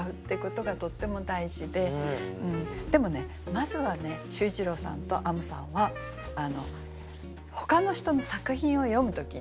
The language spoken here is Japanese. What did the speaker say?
でもまずはね秀一郎さんとあむさんはほかの人の作品を読む時にね